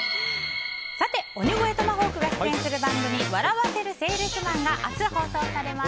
鬼越トマホークが出演する番組「笑わせるセールスマン」が明日、放送されます。